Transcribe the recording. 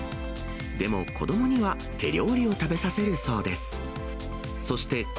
でも、子どもには手料理を食べさせるそうです。